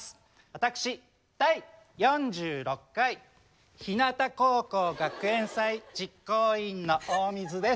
私第４６回ひなた高校学園祭実行委員の大水です。